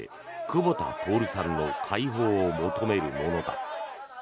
久保田徹さんの解放を求めるものだ。